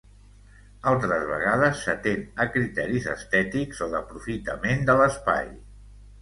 Altres vegades s'atén a criteris estètics o d'aprofitament de l'espai.